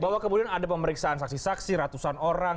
bahwa kemudian ada pemeriksaan saksi saksi ratusan orang